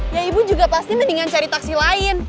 ya ibu juga pasti mendingan cari taksi lain